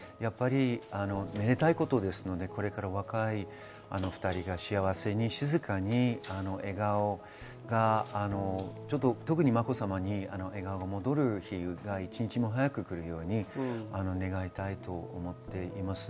めでたいことですので、若い２人が幸せに静かに特にまこさまに笑顔が戻る日が一日も早く来るように願いたいと思います。